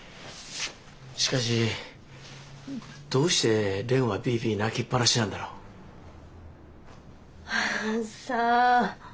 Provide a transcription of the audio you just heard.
しかしどうしてはビービー泣きっぱなしなんだろう？はあさあ？